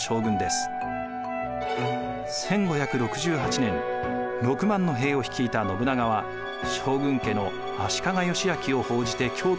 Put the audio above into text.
１５６８年６万の兵を率いた信長は将軍家の足利義昭を奉じて京都にのぼります。